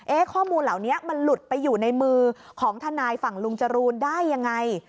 ข้อมูลเหล่านี้มันหลุดไปอยู่ในมือของทนายฝั่งลุงจรูนได้ยังไง